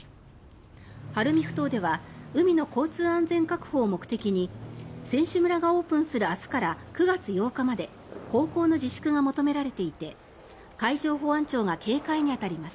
晴海ふ頭では海の交通安全確保を目的に選手村がオープンする明日から９月８日まで航行の自粛が求められていて海上保安庁が警戒に当たります。